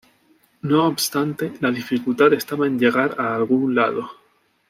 No obstante la dificultad estaba en llegar a algún lado.